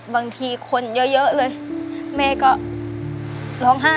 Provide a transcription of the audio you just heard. บางทีคนเยอะเลยแม่ก็ร้องไห้